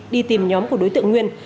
đi tìm nhóm của đối tượng nguyên